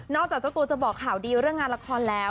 จากเจ้าตัวจะบอกข่าวดีเรื่องงานละครแล้ว